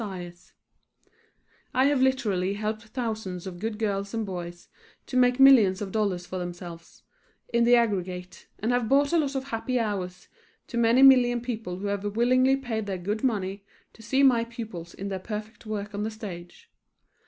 [Illustration: MARION DAVIES] I have literally helped thousands of good girls and boys to make millions of dollars for themselves, in the aggregate, and have brought a lot of happy hours to many million people who have willingly paid their good money to see my pupils in their perfect work on the stage.